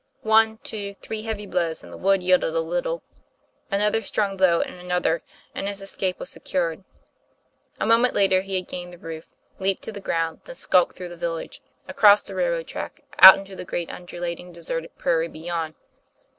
One, two, three heavy blows and the wood yielded a little. Another strong blow, and another ; and his escape was secured. A moment later, he had gained the roof, leaped to the ground, then skulked through the village, across the rail road track, out into the great undulating, deserted prairie beyond.